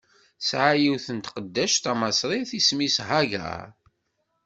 Tesɛa yiwet n tqeddact d tamaṣrit, isem-is Hagaṛ.